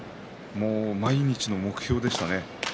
毎日の目標でした。